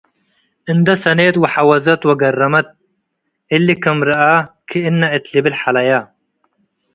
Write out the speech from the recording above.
እንዴ ሰኔት ሐወዘት ወገረመት። እሊ ክም ረአ ክእነ እት ልብል ሐለየ።-